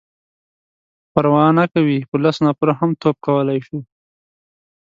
_پروا نه کوي،. په لسو نفرو هم توپ کولای شو.